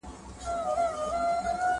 o چاري و سوې، چي پاته ناچاري سوې!